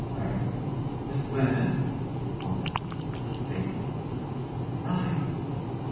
LARRY. With murder? WANDA. [Faintly] Larry!